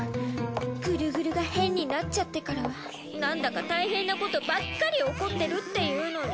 グルグルが変になっちゃってからはなんだか大変なことばっかり起こってるっていうのに。